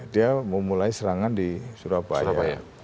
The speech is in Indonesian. dia memulai serangan di surabaya